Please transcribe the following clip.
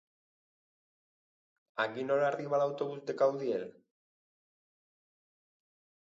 A quina hora arriba l'autobús de Caudiel?